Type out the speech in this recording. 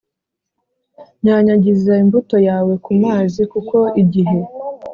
Nyanyagiza imbuto yawe ku mazi kuko igihe